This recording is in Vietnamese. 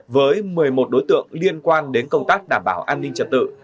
với một mươi một đối tượng liên quan đến công tác đảm bảo an ninh trật tự